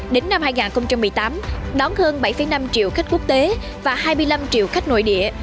đến năm hai nghìn một mươi tám đón hơn bảy năm triệu khách quốc tế và hai mươi năm triệu khách nội địa